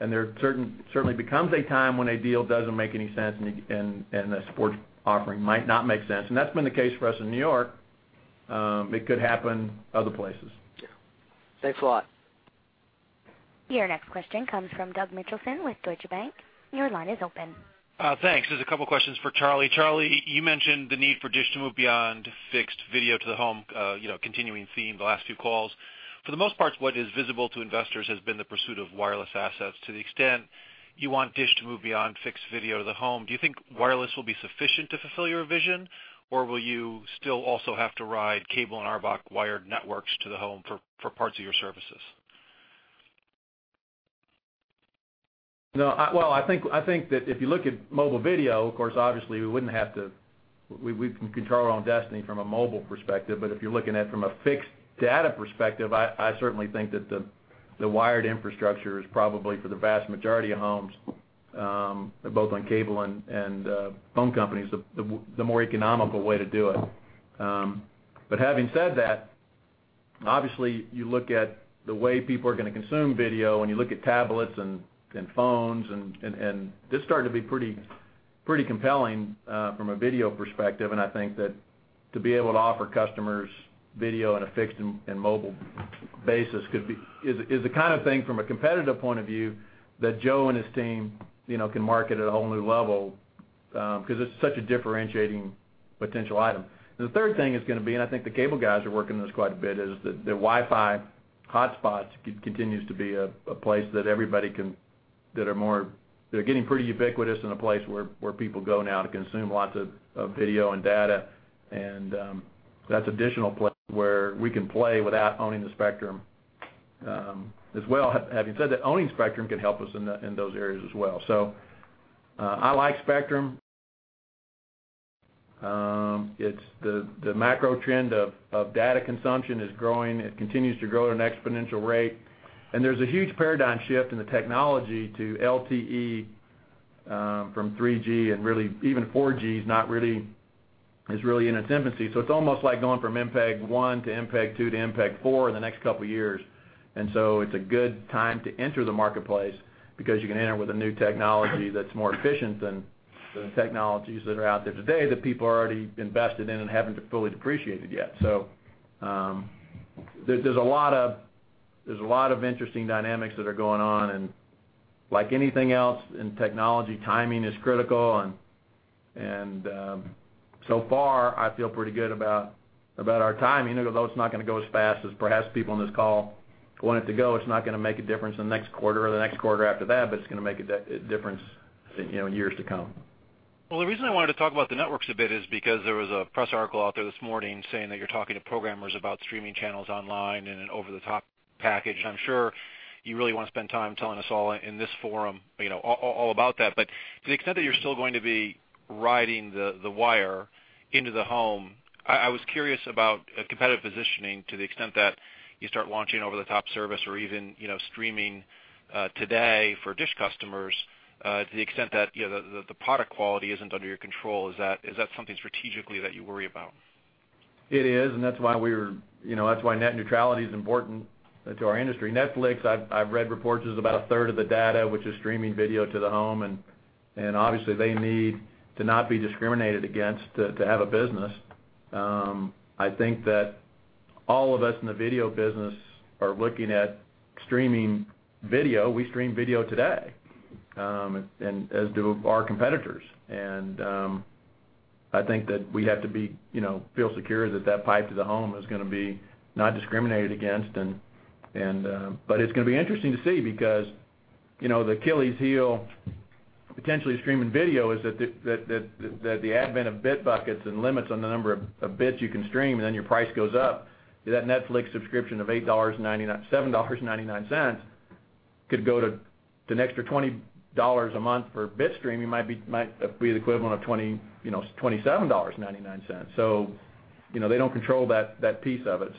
Speaker 7: There certainly becomes a time when a deal doesn't make any sense and a sports offering might not make sense. That's been the case for us in New York. It could happen other places.
Speaker 4: Yeah.
Speaker 13: Thanks a lot.
Speaker 1: Your next question comes from Doug Mitchelson with Deutsche Bank. Your line is open.
Speaker 14: Thanks. Just a couple questions for Charlie. Charlie, you mentioned the need for DISH to move beyond fixed video to the home, you know, continuing theme the last few calls. For the most part, what is visible to investors has been the pursuit of wireless assets. To the extent you want DISH to move beyond fixed video to the home, do you think wireless will be sufficient to fulfill your vision, or will you still also have to ride cable and RBOC wired networks to the home for parts of your services?
Speaker 7: I think that if you look at mobile video, of course, obviously, we can control our own destiny from a mobile perspective. If you're looking at from a fixed data perspective, I certainly think that the wired infrastructure is probably for the vast majority of homes, both on cable and phone companies, the more economical way to do it. Having said that, obviously, you look at the way people are going to consume video, and you look at tablets and phones and this is starting to be pretty compelling from a video perspective. I think that to be able to offer customers video on a fixed and mobile basis is the kind of thing from a competitive point of view that Joe and his team, you know, can market at a whole new level because it's such a differentiating potential item. The third thing is going to be, I think the cable guys are working on this quite a bit, is that the Wi-Fi hotspot continues to be a place that everybody can They're getting pretty ubiquitous in a place where people go now to consume lots of video and data. That's additional place where we can play without owning the spectrum as well. Having said that, owning spectrum can help us in those areas as well. I like spectrum. It's the macro trend of data consumption is growing. It continues to grow at an exponential rate. There's a huge paradigm shift in the technology to LTE from 3G and really even 4G is really in its infancy. It's almost like going from MPEG-1 to MPEG-2 to MPEG-4 in the next couple of years. It's a good time to enter the marketplace because you can enter with a new technology that's more efficient than the technologies that are out there today that people are already invested in and haven't fully depreciated yet. There's a lot of interesting dynamics that are going on. Like anything else in technology, timing is critical and so far, I feel pretty good about our timing. Although it's not going to go as fast as perhaps people on this call want it to go, it's not going to make a difference in the next quarter or the next quarter after that, but it's going to make a difference, you know, in years to come.
Speaker 14: The reason I wanted to talk about the networks a bit is because there was a press article out there this morning saying that you're talking to programmers about streaming channels online and an over-the-top package. I'm sure you really want to spend time telling us all in this forum, you know, all about that. To the extent that you're still going to be riding the wire into the home, I was curious about competitive positioning to the extent that you start launching over-the-top service or even, you know, streaming today for DISH customers, to the extent that, you know, the product quality isn't under your control. Is that something strategically that you worry about?
Speaker 7: It is, and that's why we're, you know, that's why net neutrality is important to our industry. Netflix, I've read reports is about 1/3 of the data, which is streaming video to the home, and obviously they need to not be discriminated against to have a business. I think that all of us in the video business are looking at streaming video. We stream video today, and as do our competitors. I think that we have to be, you know, feel secure that that pipe to the home is going to be not discriminated against. It's going to be interesting to see because, you know, the Achilles heel, potentially streaming video is that the advent of bit buckets and limits on the number of bits you can stream, and then your price goes up. That Netflix subscription of $8.99, $7.99 could go to an extra $20 a month for bit streaming, might be the equivalent of $27.99. You know, they don't control that piece of it.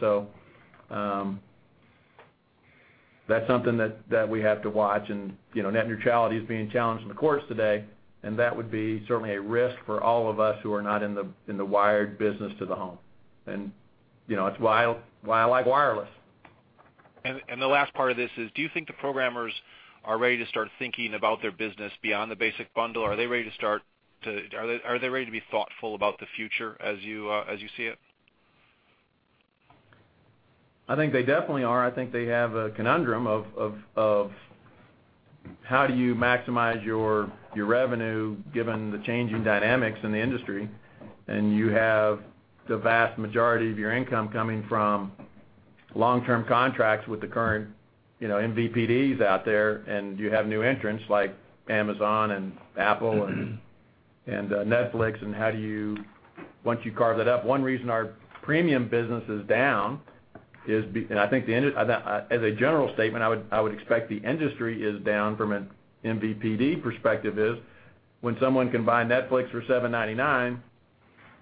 Speaker 7: That's something that we have to watch and, you know, net neutrality is being challenged in the courts today, and that would be certainly a risk for all of us who are not in the wired business to the home. You know, it's why I like wireless.
Speaker 14: The last part of this is, do you think the programmers are ready to start thinking about their business beyond the basic bundle? Are they ready to be thoughtful about the future as you as you see it?
Speaker 7: I think they definitely are. I think they have a conundrum of how do you maximize your revenue given the changing dynamics in the industry, and you have the vast majority of your income coming from long-term contracts with the current, you know, MVPDs out there, and you have new entrants like Amazon and Apple and Netflix and how do you Once you carve that up. One reason our premium business is down is as a general statement, I expect the industry is down from an MVPD perspective is when someone can buy Netflix for $7.99,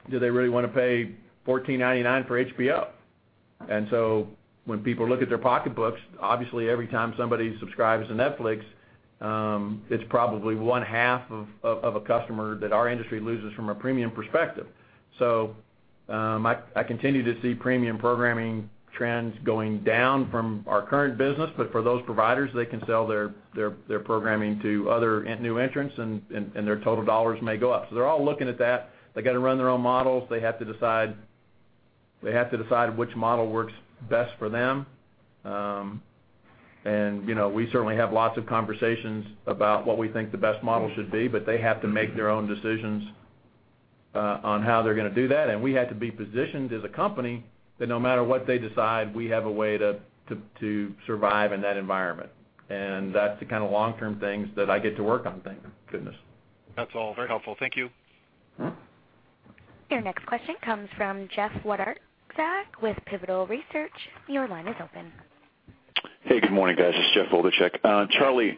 Speaker 7: do they really want to pay $14.99 for HBO? When people look at their pocketbooks, obviously every time somebody subscribes to Netflix, it's probably one half of a customer that our industry loses from a premium perspective. I continue to see premium programming trends going down from our current business, but for those providers, they can sell their programming to other, new entrants and their total dollars may go up. They're all looking at that. They got to run their own models. They have to decide which model works best for them. You know, we certainly have lots of conversations about what we think the best model should be, but they have to make their own decisions on how they're going to do that. We have to be positioned as a company that no matter what they decide, we have a way to survive in that environment. That's the kind of long-term things that I get to work on. Thank goodness.
Speaker 14: That's all. Very helpful. Thank you.
Speaker 1: Your next question comes from Jeff Wlodarczak with Pivotal Research. Your line is open.
Speaker 15: Hey, good morning, guys. It's Jeff Wlodarczak. Charlie,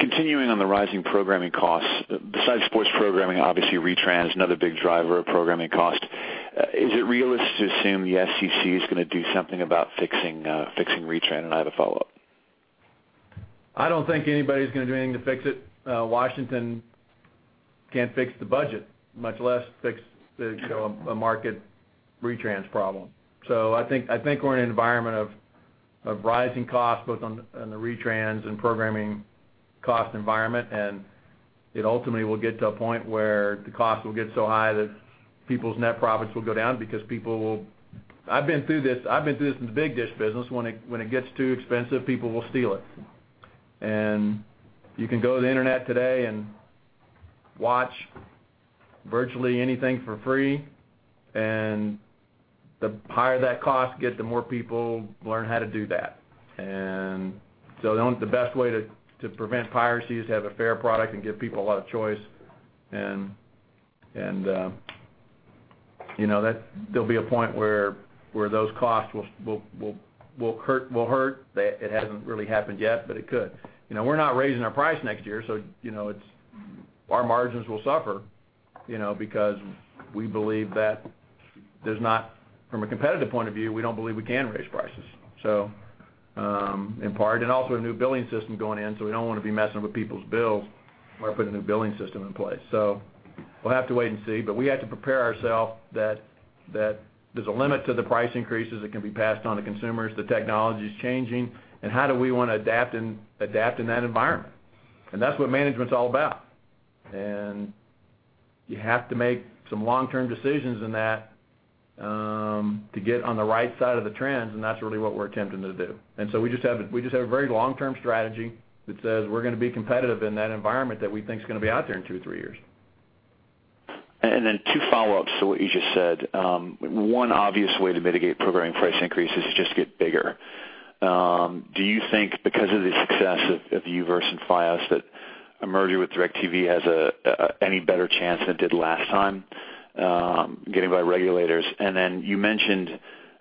Speaker 15: continuing on the rising programming costs, besides sports programming, obviously retrans, another big driver of programming cost. Is it realistic to assume the FCC is going to do something about fixing retrans? I have a follow-up.
Speaker 7: I don't think anybody's going to do anything to fix it. Washington can't fix the budget, much less fix, you know, a market retrans problem. I think we're in an environment of rising costs both on the retrans and programming cost environment, and it ultimately will get to a point where the cost will get so high that people's net profits will go down because I've been through this in the big DISH business. When it gets too expensive, people will steal it. You can go to the Internet today and watch virtually anything for free, and the higher that cost gets, the more people learn how to do that. The best way to prevent piracy is have a fair product and give people a lot of choice. You know, there'll be a point where those costs will hurt. It hasn't really happened yet, but it could. You know, we're not raising our price next year, so, you know, our margins will suffer, you know, because we believe that from a competitive point of view, we don't believe we can raise prices, so, in part. Also a new billing system going in, so we don't want to be messing with people's bills while putting a new billing system in place. We'll have to wait and see. We have to prepare ourself that there's a limit to the price increases that can be passed on to consumers. The technology's changing and how do we want to adapt in that environment? That's what management's all about. You have to make some long-term decisions in that to get on the right side of the trends, and that's really what we're attempting to do. We just have a very long-term strategy that says we're going to be competitive in that environment that we think is going to be out there in two or three years.
Speaker 15: Two follow-ups to what you just said. One obvious way to mitigate programming price increases is just get bigger. Do you think because of the success of U-verse and Fios that a merger with DIRECTV has any better chance than it did last time, getting by regulators? You mentioned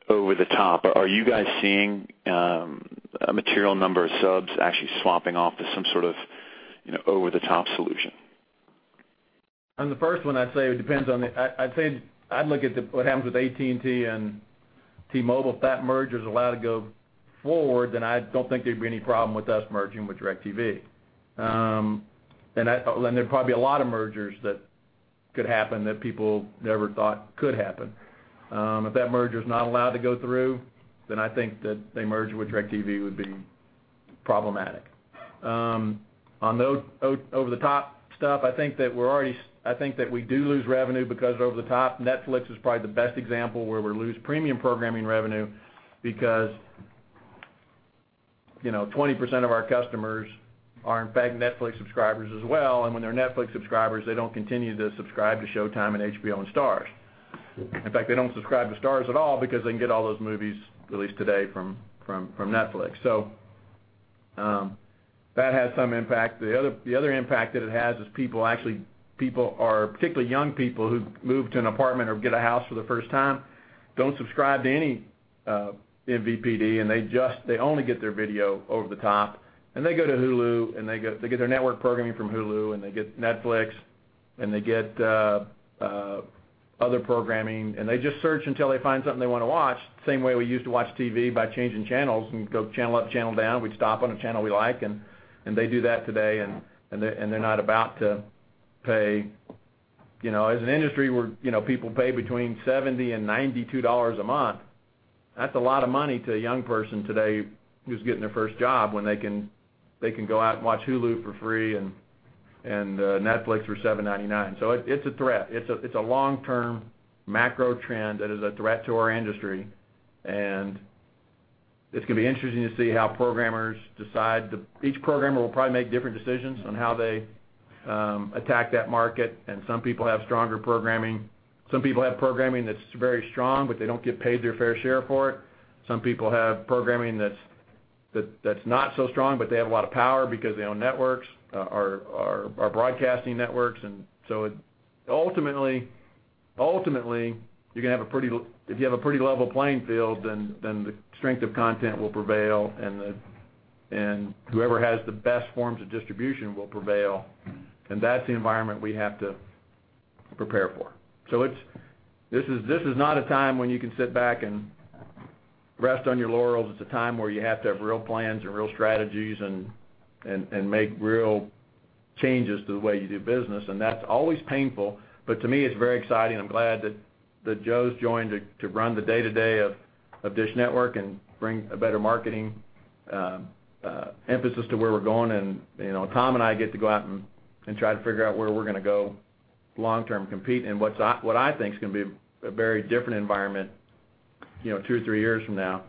Speaker 15: over the top. Are you guys seeing a material number of subs actually swapping off to some sort of, you know, over the top solution?
Speaker 7: On the first one, I'd say it depends on what happens with AT&T and T-Mobile, if that merger is allowed to go forward, I don't think there'd be any problem with us merging with DIRECTV. There'd probably be a lot of mergers that could happen that people never thought could happen. If that merger's not allowed to go through, I think that the merger with DIRECTV would be problematic. On the over-the-top stuff, I think that we do lose revenue because over-the-top. Netflix is probably the best example where we lose premium programming revenue because, you know, 20% of our customers are, in fact, Netflix subscribers as well. When they're Netflix subscribers, they don't continue to subscribe to Showtime and HBO and STARZ. In fact, they don't subscribe to STARZ at all because they can get all those movies, at least today, from Netflix. That has some impact. The other impact that it has is people are particularly young people who've moved to an apartment or get a house for the first time, don't subscribe to any MVPD, and they only get their video over-the-top, and they go to Hulu, and they get their network programming from Hulu, and they get Netflix, and they get other programming. They just search until they find something they want to watch, same way we used to watch TV by changing channels and go channel up, channel down. We'd stop on a channel we like and they do that today, and they're not about to pay. You know, as an industry, we're, you know, people pay between $70 and $92 a month. That's a lot of money to a young person today who's getting their first job when they can, they can go out and watch Hulu for free and Netflix for $7.99. It's a threat. It's a long-term macro trend that is a threat to our industry, and it's going to be interesting to see how programmers decide. Each programmer will probably make different decisions on how they attack that market. Some people have stronger programming. Some people have programming that's very strong, but they don't get paid their fair share for it. Some people have programming that's not so strong, but they have a lot of power because they own networks or broadcasting networks. It ultimately, you're going to have a pretty level playing field, then the strength of content will prevail, and whoever has the best forms of distribution will prevail, and that's the environment we have to prepare for. This is not a time when you can sit back and rest on your laurels. It's a time where you have to have real plans and real strategies and make real changes to the way you do business, and that's always painful. To me, it's very exciting. I'm glad that Joe's joined to run the day-to-day of DISH Network and bring a better marketing emphasis to where we're going. You know, Tom and I get to go out and try to figure out where we're going to go long-term compete and what I think is going to be a very different environment, you know, two or three years from now.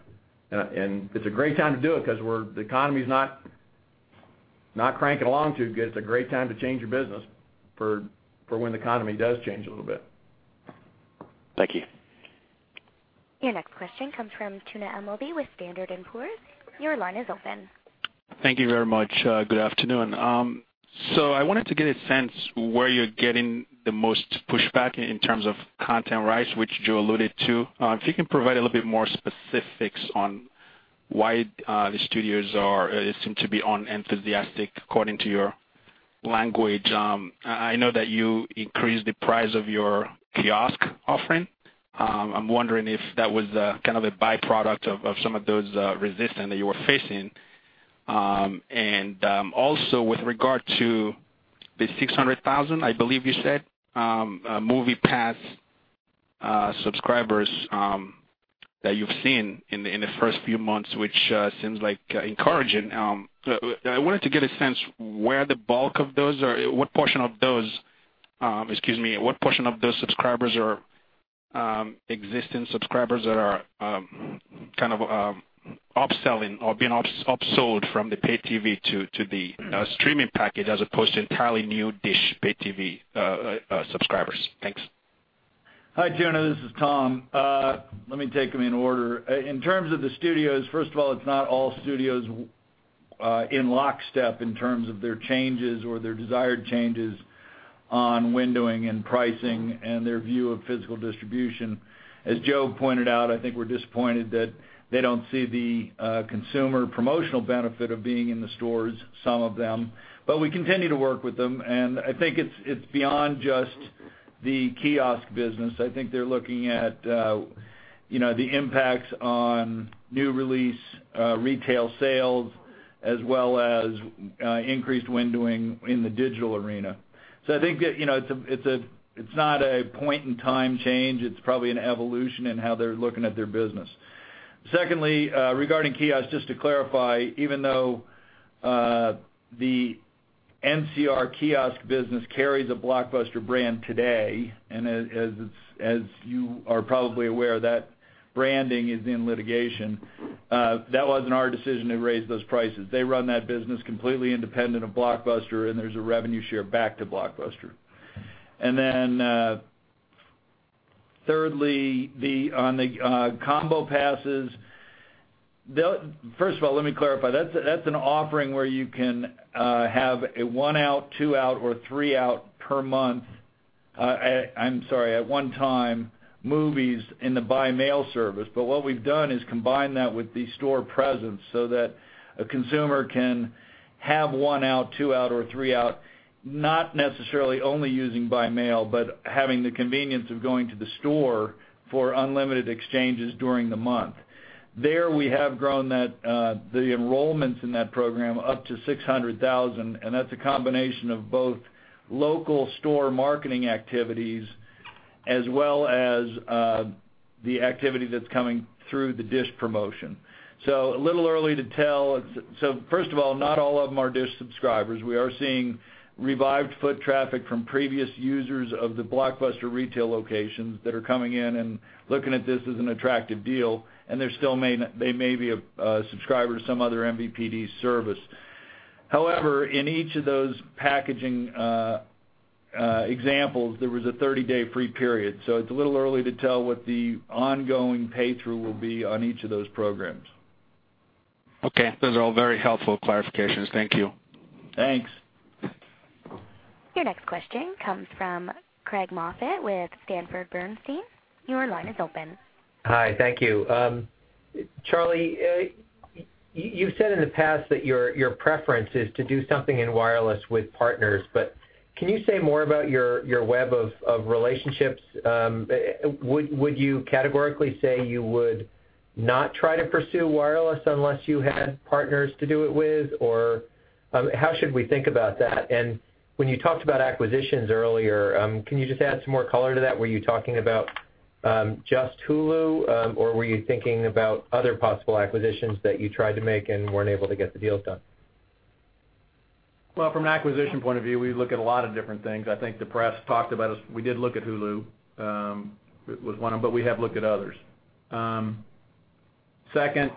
Speaker 7: It's a great time to do it 'cause the economy's not cranking along too good. It's a great time to change your business for when the economy does change a little bit.
Speaker 15: Thank you.
Speaker 1: Your next question comes from Tuna Amobi with Standard & Poor's. Your line is open.
Speaker 16: Thank you very much. Good afternoon. I wanted to get a sense where you're getting the most pushback in terms of content rights, which Joe alluded to. If you can provide a little bit more specifics on why the studios are seem to be unenthusiastic according to your language. I know that you increased the price of your kiosk offering. I'm wondering if that was kind of a byproduct of some of those resistance that you were facing. Also with regard to the 600,000, I believe you said, Movie Pass subscribers that you've seen in the first few months, which seems like encouraging. What portion of those, excuse me, what portion of those subscribers are existing subscribers that are kind of upselling or being upsold from the pay TV to the streaming package as opposed to entirely new DISH pay TV subscribers? Thanks.
Speaker 11: Hi, Tuna Amobi. This is Tom Cullen. Let me take them in order. In terms of the studios, first of all, it's not all studios, in lockstep in terms of their changes or their desired changes on windowing and pricing and their view of physical distribution. As Joe Clayton pointed out, I think we're disappointed that they don't see the consumer promotional benefit of being in the stores, some of them. We continue to work with them, and I think it's beyond just the kiosk business. I think they're looking at, you know, the impacts on new release, retail sales as well as increased windowing in the digital arena. I think that, you know, it's a, it's a, it's not a point in time change. It's probably an evolution in how they're looking at their business. Secondly, regarding kiosks, just to clarify, even though the NCR kiosk business carries a Blockbuster brand today, and as you are probably aware, that branding is in litigation, that wasn't our decision to raise those prices. They run that business completely independent of Blockbuster, and there's a revenue share back to Blockbuster. Thirdly, on the combo passes, First of all, let me clarify. That's an offering where you can have a one out, two out, or three out per month, I'm sorry, at one time, movies in the By Mail service. What we've done is combine that with the store presence so that a consumer can have one out, two out, or three out, not necessarily only using By Mail, but having the convenience of going to the store for unlimited exchanges during the month. There, we have grown that, the enrollments in that program up to 600,000, and that's a combination of both local store marketing activities as well as, the activity that's coming through the DISH promotion. A little early to tell. First of all, not all of them are DISH subscribers. We are seeing revived foot traffic from previous users of the Blockbuster retail locations that are coming in and looking at this as an attractive deal, and they may be a subscriber to some other MVPD service. In each of those packaging examples, there was a thirty-day free period, so it's a little early to tell what the ongoing pay-through will be on each of those programs.
Speaker 16: Okay. Those are all very helpful clarifications. Thank you.
Speaker 11: Thanks.
Speaker 1: Your next question comes from Craig Moffett with Sanford Bernstein. Your line is open.
Speaker 17: Hi, thank you. Charlie, you've said in the past that your preference is to do something in wireless with partners, but can you say more about your web of relationships? Would you categorically say you would not try to pursue wireless unless you had partners to do it with? How should we think about that? When you talked about acquisitions earlier, can you just add some more color to that? Were you talking about just Hulu, or were you thinking about other possible acquisitions that you tried to make and weren't able to get the deals done?
Speaker 7: Well, from an acquisition point of view, we look at a lot of different things. I think the press talked about us. We did look at Hulu, it was one of them, but we have looked at others. Second,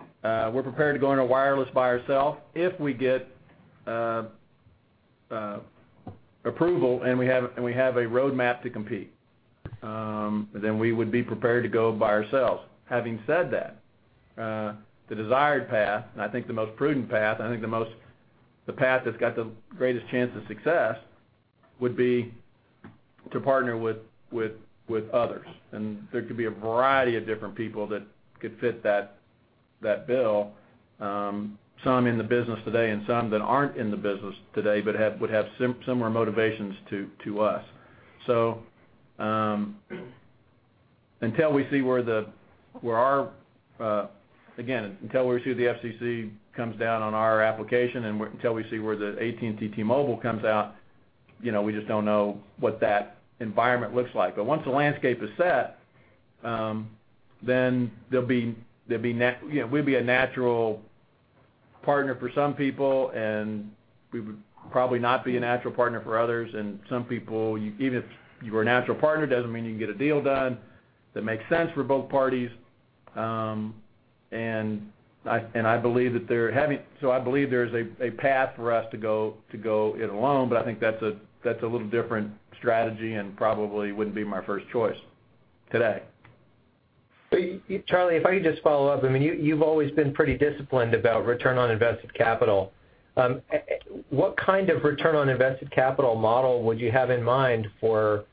Speaker 7: we're prepared to go into wireless by ourself if we get approval and we have a roadmap to compete, then we would be prepared to go by ourselves. Having said that, the desired path, and I think the most prudent path, the path that's got the greatest chance of success would be to partner with others. There could be a variety of different people that could fit that bill, some in the business today and some that aren't in the business today, but would have similar motivations to us. Again, until we see the FCC comes down on our application and until we see where the AT&T T-Mobile comes out, you know, we just don't know what that environment looks like. Once the landscape is set, then there'll be You know, we'll be a natural partner for some people, and we would probably not be a natural partner for others. Some people, even if you were a natural partner, doesn't mean you can get a deal done that makes sense for both parties. I believe there's a path for us to go, to go it alone, but I think that's a, that's a little different strategy and probably wouldn't be my first choice today.
Speaker 17: Charlie, if I could just follow up. I mean, you've always been pretty disciplined about return on invested capital. What kind of return on invested capital model would you have in mind for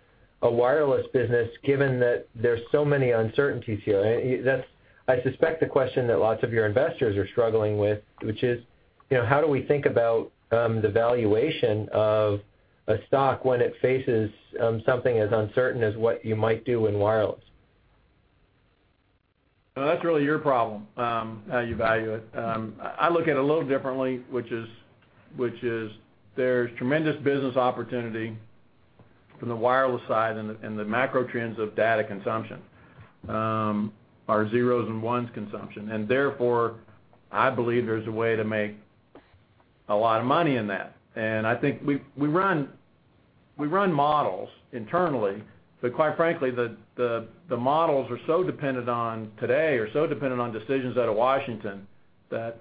Speaker 17: a wireless business, given that there's so many uncertainties here? That's, I suspect, the question that lots of your investors are struggling with, which is, you know, how do we think about the valuation of a stock when it faces something as uncertain as what you might do in wireless?
Speaker 7: That's really your problem, how you value it. I look at it a little differently, which is there's tremendous business opportunity from the wireless side and the, and the macro trends of data consumption, our zeros and ones consumption. I believe there's a way to make a lot of money in that. I think we run models internally, but quite frankly, the models are so dependent on, today, are so dependent on decisions out of Washington that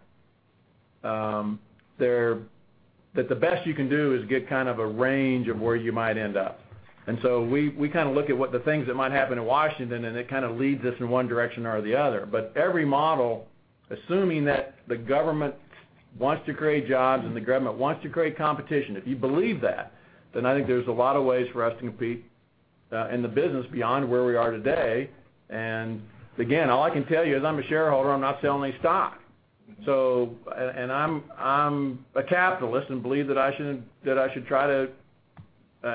Speaker 7: That the best you can do is get kind of a range of where you might end up. We, we kinda look at what the things that might happen in Washington, and it kind of leads us in one direction or the other. Every model, assuming that the government wants to create jobs and the government wants to create competition, if you believe that, then I think there's a lot of ways for us to compete in the business beyond where we are today. Again, all I can tell you is I'm a shareholder, and I'm not selling any stock. I'm a capitalist and believe that I should try to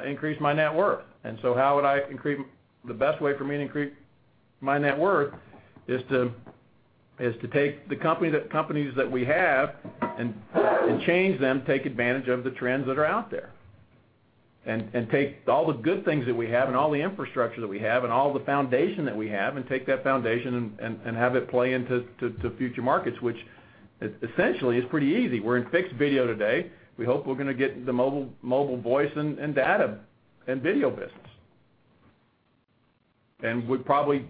Speaker 7: increase my net worth. The best way for me to increase my net worth is to take the companies that we have and change them, take advantage of the trends that are out there. Take all the good things that we have and all the infrastructure that we have and all the foundation that we have and take that foundation and have it play into future markets, which essentially is pretty easy. We're in fixed video today. We hope we're going to get the mobile voice and data and video business. We'd probably,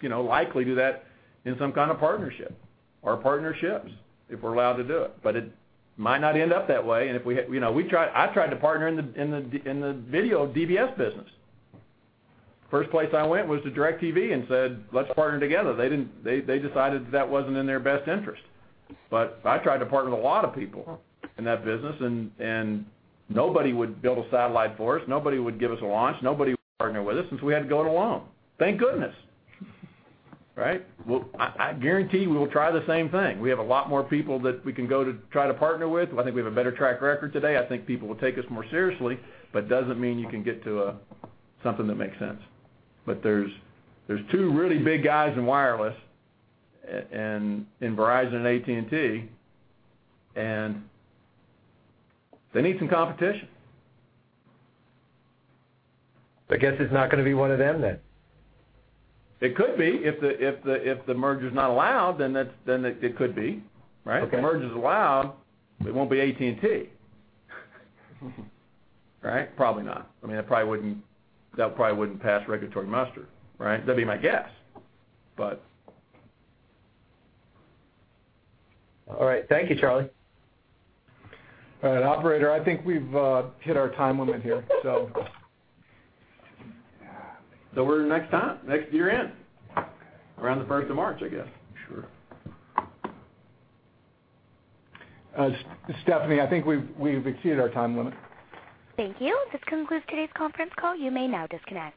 Speaker 7: you know, likely do that in some kind of partnership or partnerships if we're allowed to do it. It might not end up that way. You know, we tried, I tried to partner in the video DBS business. First place I went was to DIRECTV and said, "Let's partner together." They didn't, they decided that wasn't in their best interest. I tried to partner with a lot of people in that business, and nobody would build a satellite for us. Nobody would give us a launch. Nobody would partner with us. We had to go it alone. Thank goodness, right? I guarantee we will try the same thing. We have a lot more people that we can go to try to partner with. I think we have a better track record today. I think people will take us more seriously. Doesn't mean you can get to something that makes sense. There's two really big guys in wireless, Verizon and AT&T, and they need some competition.
Speaker 17: I guess it's not going to be one of them then.
Speaker 7: It could be. If the merger is not allowed, then that's, then it could be, right?
Speaker 17: Okay.
Speaker 7: If the merger's allowed, it won't be AT&T. Right? Probably not. I mean, I probably wouldn't, that probably wouldn't pass regulatory muster, right? That'd be my guess.
Speaker 17: All right. Thank you, Charlie.
Speaker 2: All right, operator, I think we've hit our time limit here. We're next time, next year end, around the first of March, I guess.
Speaker 7: Sure.
Speaker 2: Stephanie, I think we've exceeded our time limit.
Speaker 1: Thank you. This concludes today's conference call. You may now disconnect.